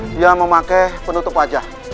dia memakai penutup wajah